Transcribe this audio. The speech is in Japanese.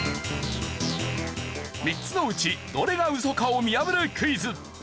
３つのうちどれがウソかを見破るクイズ。